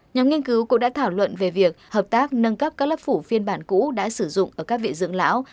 nhóm nghiên cứu cũng đã thảo luận về việc hợp tác nâng cấp các lớp phủ phiên bản cũ đã sử dụng ở các vị dưỡng lão